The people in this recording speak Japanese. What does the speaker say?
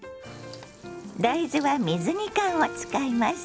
大豆は水煮缶を使います。